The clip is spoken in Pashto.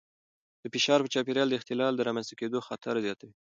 د فشار چاپېریال د اختلال د رامنځته کېدو خطر زیاتوي.